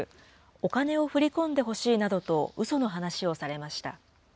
お金を振り込んでほしいなどとうその話をされました。